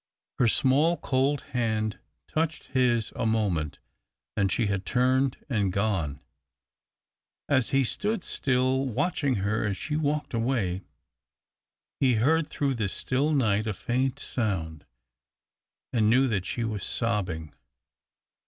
Her small cold hand touched his a moment, and she had turned and gone. As he stood still watching her as she walked away, he heard through the still night a faint sound, and knew that she was sobbing.